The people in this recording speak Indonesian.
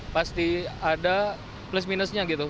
pasti ada plus minusnya gitu